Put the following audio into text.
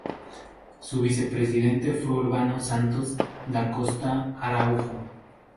Su vicepresidente fue Urbano Santos da Costa Araújo.